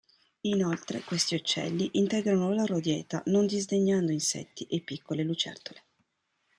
Inoltre questi uccelli integrano la loro dieta non disdegnando insetti e piccole lucertole.